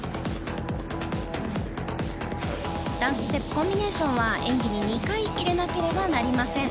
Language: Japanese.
ダンスステップコンビネーションは２回入れなければいけません。